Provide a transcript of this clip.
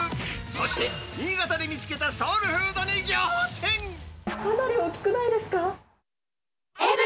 そして新潟で見つけたソウルフーかなり大きくないですか？